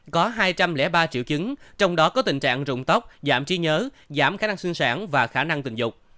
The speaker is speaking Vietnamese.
có hai trăm linh ba triệu chứng trong đó có tình trạng rụng tóc giảm trí nhớ giảm khả năng sinh sản và khả năng tình dục